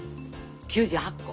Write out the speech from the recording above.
９８個。